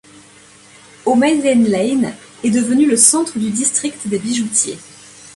Au Maiden Lane est devenu le centre du district des bijoutiers.